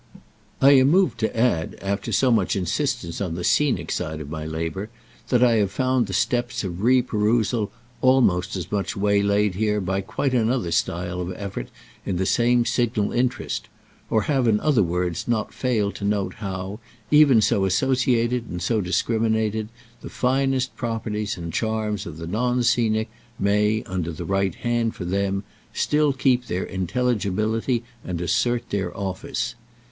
I am moved to add after so much insistence on the scenic side of my labour that I have found the steps of re perusal almost as much waylaid here by quite another style of effort in the same signal interest—or have in other words not failed to note how, even so associated and so discriminated, the finest proprieties and charms of the non scenic may, under the right hand for them, still keep their intelligibility and assert their office.